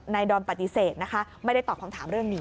ดอนปฏิเสธนะคะไม่ได้ตอบคำถามเรื่องนี้